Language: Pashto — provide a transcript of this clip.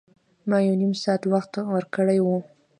ما یو نیم ساعت وخت ورکړی و.